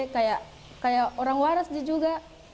kayak orang waras juga